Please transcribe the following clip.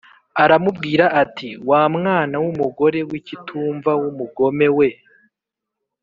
aramubwira ati “Wa mwana w’umugore w’ikitumva w’umugome we”